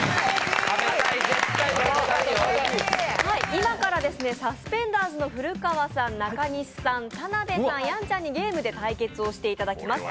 今からサスペンターズの古川さん、田辺さん、やんちゃんにゲームで対決してもらいます。